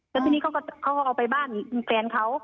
แล้วทีนี้เขาก็เอาไปบ้านแฟนเขา